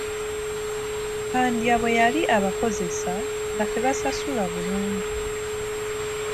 Pandya bwe yali abakozesa, nga tabasasula bulungi.